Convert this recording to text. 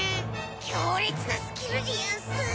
強烈なスキルでヤンス。